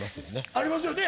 ありますよね！